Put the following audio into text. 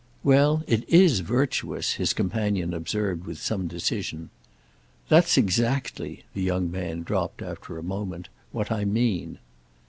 "Well, it is virtuous," his companion observed with some decision. "That's exactly," the young man dropped after a moment, "what I mean."